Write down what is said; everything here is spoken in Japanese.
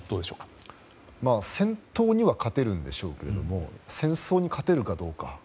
戦闘には勝てるでしょうけど戦争に勝てるかどうか。